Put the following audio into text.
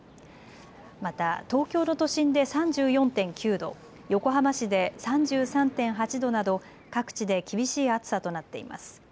また東京の都心で３４．９度、横浜市で３３．８度など各地で厳しい暑さとなっています。